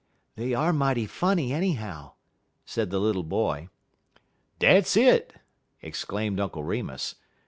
"They are mighty funny, anyhow," said the little boy. "Dat's it!" exclaimed Uncle Remus.